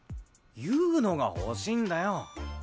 悠宇のが欲しいんだよ。